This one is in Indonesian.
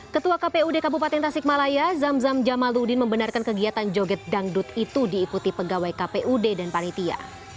ketua kpud kabupaten tasikmalaya zam zam jamaludin membenarkan kegiatan joget dangdut itu diikuti pegawai kpud dan panitia